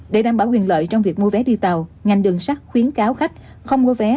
để đảm bảo quyền lợi trong việc mua vé đi tàu ngành đường sắt khuyến cáo khách không mua vé